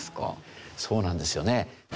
そうなんですよね。